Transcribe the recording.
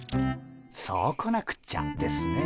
そうこなくっちゃですね。